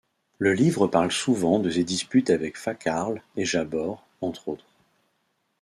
Le livre parle souvent de ses disputes avec Faquarl et Jabor, entre autres.